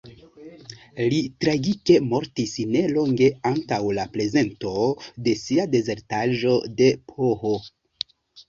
Li tragike mortis nelonge antaŭ la prezento de sia disertaĵo de Ph.